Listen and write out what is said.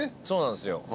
そうなんですよ。